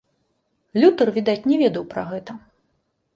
Лютэр, відаць, не ведаў пра гэта.